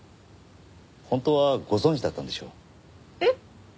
本当はご存じだったんでしょう？えっ？